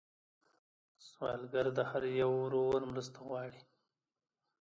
سوالګر د هر یو ورور مرسته غواړي